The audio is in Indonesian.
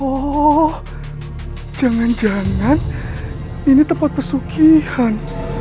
oh jangan jangan ini tempat pesugihan